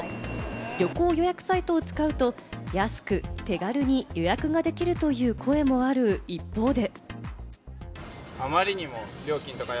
旅行予約サイトを使うと安く手軽に予約ができるという声もある一方で。